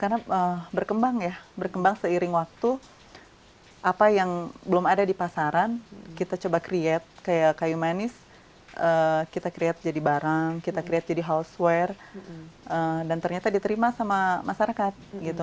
karena berkembang ya berkembang seiring waktu apa yang belum ada di pasaran kita coba create kayak kayu manis kita create jadi barang kita create jadi houseware dan ternyata diterima sama masyarakat